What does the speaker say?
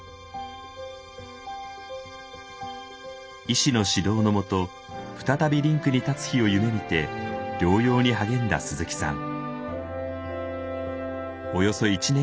医師の指導のもと再びリンクに立つ日を夢みて療養に励んだ鈴木さん。